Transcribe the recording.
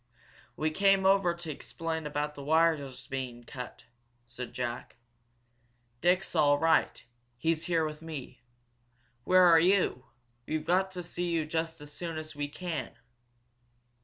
"We came over to explain about the wire's being cut," said Jack. "Dick's all right. He's here with me. Where are you? We've got to see you just as soon as we can."